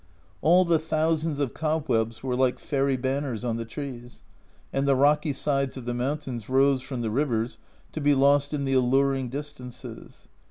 All the thousands of cobwebs were like fairy banners on the trees, and the rocky sides of the mountains rose from the rivers to be lost in the alluring distances.